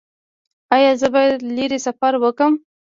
ایا زه باید لرې سفر وکړم؟